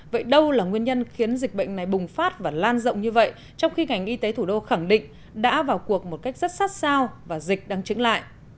vậy đâu là nguyên nhân khiến dịch bệnh này bùng phát và lan rộng như vậy trong khi ngành y tế thủ đô khẳng định đã vào cuộc một cách rất sát sao và dịch đang chứng lại